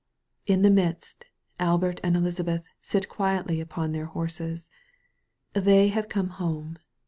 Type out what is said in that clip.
In the midst, Albert and Elizabeth sit quietly upon their horses. They have come home.